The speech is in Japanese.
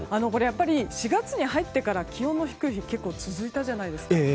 これ、やっぱり４月に入ってから気温の低い日が結構続いたじゃないですか。